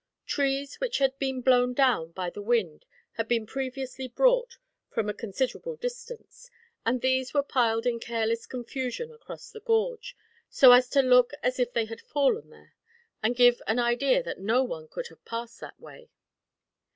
Trees which had been blown down by the wind had been previously brought, from a considerable distance; and these were piled in careless confusion across the gorge, so as to look as if they had fallen there, and give an idea that no one could have passed that way.